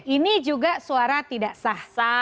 ini juga suara tidak sah sah